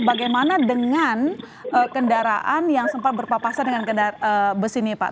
bagaimana dengan kendaraan yang sempat berpapasan dengan kendaraan bus ini pak